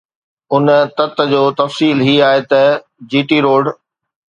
ان تت جو تفصيل هي آهي ته جي ٽي روڊ